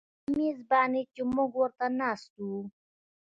هغه میز باندې چې موږ ورته ناست وو